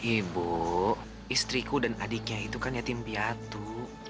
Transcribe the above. ibu istriku dan adiknya itu kan yatim piatu